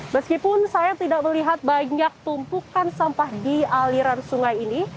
meskipun saya tidak melihat banyak tumpukan sampah di aliran sungai ini